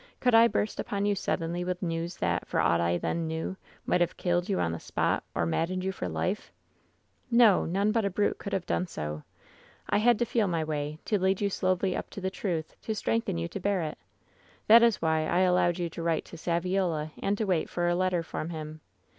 Could I burst upon you sud denly with news that, for aught I then knew, might have killed you on the spot, or maddened you for life ? 1^0, none but a brute could have done so. I had to feel my way; to lead you slowly up to the truth; to strengthen you to bear it That is why I allowed you to write to Saviola and to wait for a letter from him.